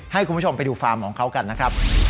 ให้คุณผู้ชมไปดูฟาร์มของเขากันนะครับ